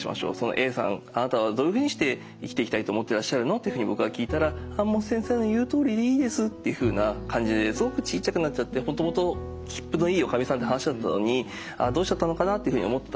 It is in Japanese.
「Ａさんあなたはどういうふうにして生きていきたいと思ってらっしゃるの？」っていうふうに僕が聞いたら「もう先生の言うとおりでいいです」っていうふうな感じですごくちっちゃくなっちゃってもともときっぷのいいおかみさんって話だったのにどうしちゃったのかなっていうふうに思ってたんです。